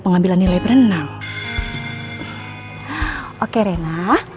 pengambilan nilai berenang oke rena